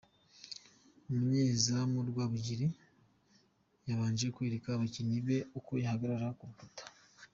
Umunyezamu Rwabugiri yabanje kwereka abakinnyi be uko bahagarara ku rukuta .